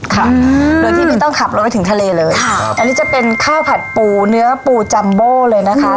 ค่ะโดยที่ไม่ต้องขับรถไปถึงทะเลเลยค่ะอันนี้จะเป็นข้าวผัดปูเนื้อปูจัมโบ้เลยนะคะ